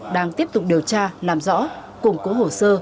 đang tiếp tục điều tra làm rõ củng cố hồ sơ